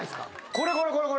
これこれこれ！